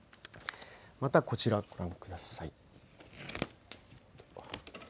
またこちらご覧ください。